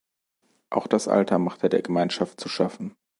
Auch das Alter machte der Gemeinschaft zu schaffen.